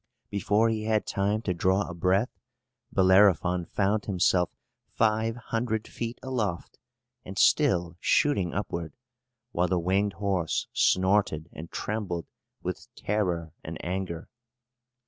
Before he had time to draw a breath Bellerophon found himself five hundred feet aloft, and still shooting upward, while the winged horse snorted and trembled with terror and anger.